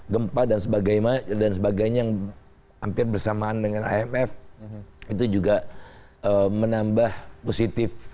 gempa dan sebagainya dan sebagainya yang hampir bersamaan dengan amf itu juga menambah positif